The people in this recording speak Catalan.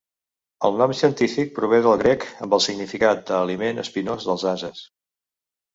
El nom científic prové del grec amb el significat d'aliment espinós dels ases.